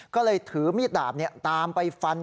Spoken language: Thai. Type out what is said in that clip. ก็เลยถือมีดดาบตามไปฟัน